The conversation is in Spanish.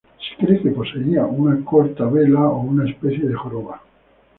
Se cree que poseía una corta vela o una especie de joroba.